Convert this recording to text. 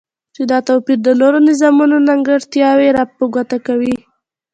چی دا توپیر د نورو نظامونو نیمګرتیاوی را په ګوته کوی